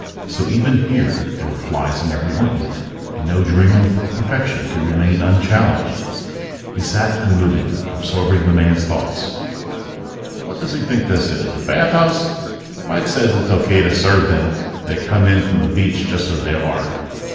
So even here there were flies in every ointment, and no dream of perfection could remain unchallenged. He sat unmoving, absorbing the man's thoughts. _What does he think this is, a bath house? Mike says it's okay to serve them if they come in from the beach just as they are.